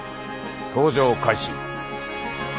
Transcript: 搭乗開始。